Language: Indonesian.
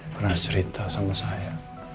pernah cerita sama saya